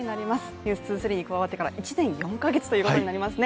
「ｎｅｗｓ２３」に加わってから１年４か月ということになりますね。